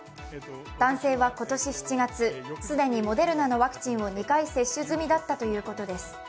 男性は今年７月、既にモデルナのワクチンを２回接種済みだったということです。